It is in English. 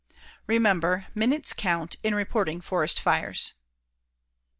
Remember "minutes count" in reporting forest fires.